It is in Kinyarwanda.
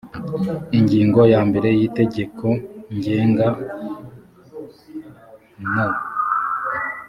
ingingo ya mbere y itegeko ngenga n ol